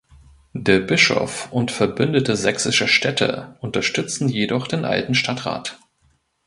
Der Bischof und verbündete sächsische Städte unterstützen jedoch den alten Stadtrat.